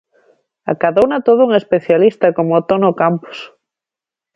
Acadouna todo un especialista como Tono Campos.